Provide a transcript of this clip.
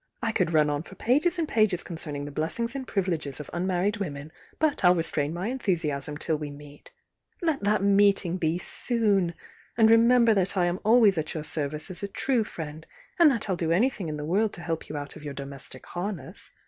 I could run on for pages and pages concerning the blessings and privileges of unmarried women, but 1 11 restrain my enthusiasm till we meet Let that meeting be soon!— and remember that I am always at your service as a true friend and that 1 U do anything in the world to help you out of your domestic harness.